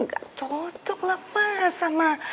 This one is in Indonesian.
gak cocok lah pak sama